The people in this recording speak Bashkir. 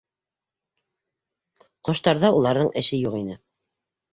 Ҡоштарҙа уларҙың эше юҡ ине.